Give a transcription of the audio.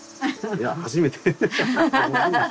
いや初めて。